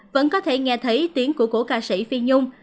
vẫn có thể nghe thấy tiếng của cổ ca sĩ phi nhung